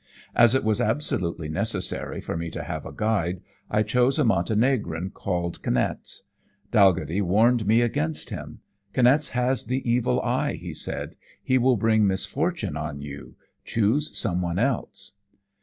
As it was absolutely necessary for me to have a guide, I chose a Montenegrin called Kniaz. Dalghetty warned me against him. 'Kniaz has the evil eye,' he said; 'he will bring misfortune on you. Choose some one else.'